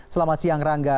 selamat siang rangga